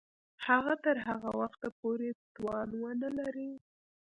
هغه تر هغه وخته پوري توان ونه لري.